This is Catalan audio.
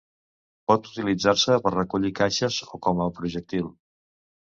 Pot utilitzar-se per recollir caixes o com a projectil.